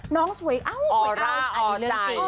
น้องสวยอ้าวอร่าอ่อใจ